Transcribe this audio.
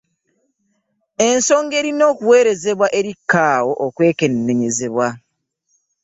Ensonga erina okuweerezebwa eri CAO okwekennenyezebwa.